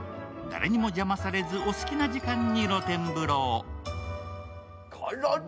誰にも邪魔されず、お好きな時間に露天風呂を。